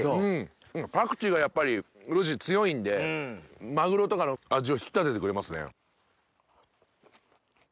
パクチーがやっぱり強いんでマグロとかの味を引き立ててくれますね。